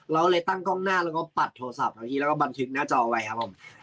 เราเลยตั้งกล้องหน้าแล้วก็ปัดโทรศัพท์ไว้ที่แล้วก็บันทึกหน้าจอไว้ครับผม